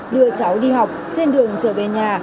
đưa cháu đi học trên đường trở về nhà